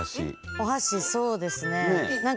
お箸そうですね。